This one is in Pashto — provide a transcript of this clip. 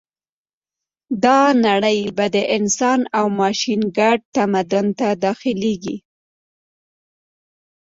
دا نړۍ به د انسان او ماشین ګډ تمدن ته داخلېږي